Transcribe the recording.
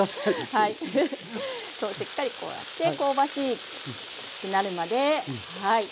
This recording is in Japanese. そうしっかりこうやって香ばしくなるまで焼いて下さい。